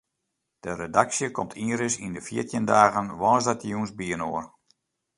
De redaksje komt ienris yn de fjirtjin dagen woansdeitejûns byinoar.